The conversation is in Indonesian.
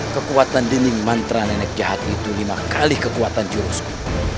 kekuatan dinding mantra nenek jahat itu lima kali kekuatan jurusu